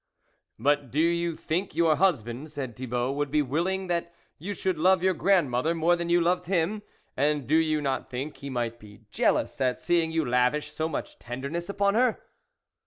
" But do you think your husband," said Thibault, " would be willing that you should love your grandmother more than you loved him ? and do you not think he might be jealous at seeing you lavish so much tenderness upon her